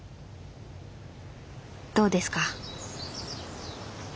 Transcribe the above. どうですか？